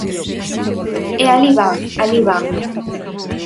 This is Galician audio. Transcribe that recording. E alí van, alí van.